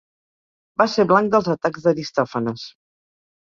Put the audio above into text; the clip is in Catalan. Va ser blanc dels Atacs d'Aristòfanes.